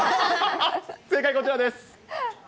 正解、こちらです。